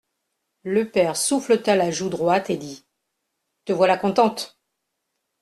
Le père souffleta la joue droite et dit :, Te voilà contente.